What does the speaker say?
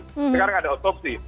sekarang ada otopsi